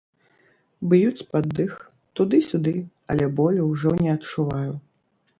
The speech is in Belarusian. Б'юць пад дых, туды-сюды, але болю ўжо не адчуваю.